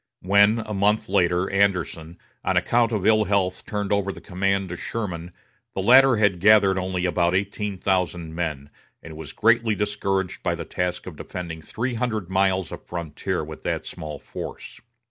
When, a month later, Anderson, on account of ill health turned over the command to Sherman, the latter had gathered only about eighteen thousand men, and was greatly discouraged by the task of defending three hundred miles of frontier with that small force.